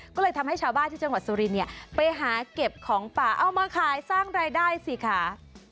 ก็เลยทำให้ชาวบ้านที่จังหวัดสุรินเนี่ยไปหาเก็บของป่าเอามาขายสร้างรายได้สิคะ